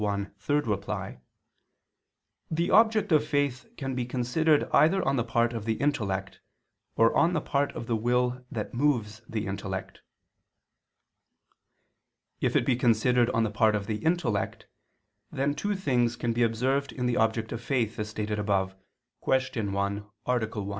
1, ad 3), the object of faith can be considered either on the part of the intellect, or on the part of the will that moves the intellect. If it be considered on the part of the intellect, then two things can be observed in the object of faith, as stated above (Q. 1, A. 1).